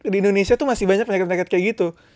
di indonesia itu masih banyak penyakit penyakit kayak gitu